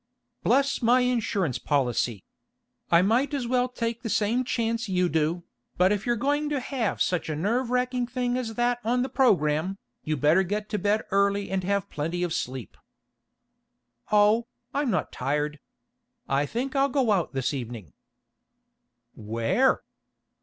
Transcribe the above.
Bless my insurance policy! I might as well take the same chance you do. But if you're going to have such a nerve racking thing as that on the program, you'd better get to bed early and have plenty of sleep." "Oh, I'm not tired. I think I'll go out this evening." "Where?"